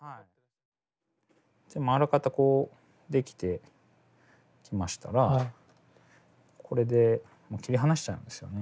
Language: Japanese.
あらかたこう出来てきましたらこれでもう切り離しちゃうんですよね。